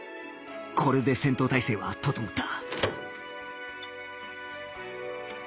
これで戦闘態勢は整った